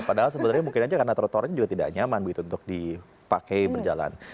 padahal sebenarnya mungkin aja karena trotoarnya juga tidak nyaman begitu untuk dipakai berjalan